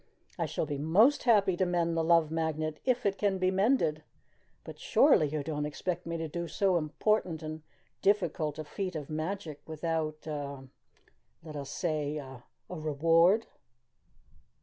"I shall be most happy to mend the Love Magnet if it can be mended. But surely you don't expect me to do so important and difficult a feat of magic without a er let us say a reward?"